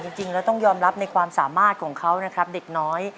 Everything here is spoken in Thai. จริงแล้วต้องยอมรับในความสามารถของเขานะครับเด็กน้อย